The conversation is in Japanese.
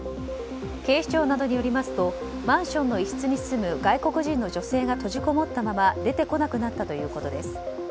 警視庁などによりますとマンションの一室に住む外国人の女性が閉じこもったまま出てこなくなったということです。